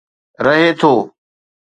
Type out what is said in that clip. رهي ٿو.